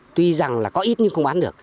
tuy rằng là có ít nhưng không bán